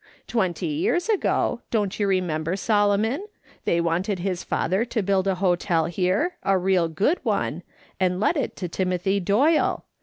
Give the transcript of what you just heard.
Twenty years ago, don't you remember, Solomon, they wanted his father to build a hotel here, a real good one, and let it to Timothy Doyle